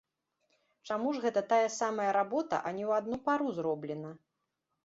Чаму ж гэта тая самая работа, а не ў адну пару зроблена?